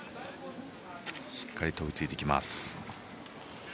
しっかりと追いついてきます。